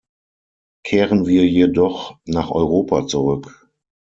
Kehren wir jedoch nach Europa zurück.